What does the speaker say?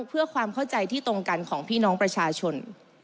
เพื่อความเข้าใจที่ตรงกันของพี่น้องประชาชน